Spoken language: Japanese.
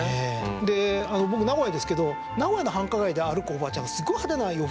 で僕名古屋ですけど名古屋の繁華街で歩くおばちゃんがすごい派手な洋服着てて。